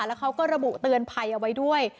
แล้วเขาก็ระบุเตือนภัยเอาไว้ด้วย